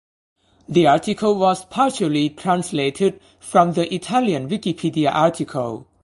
The article was partially translated from the Italian Wikipedia article.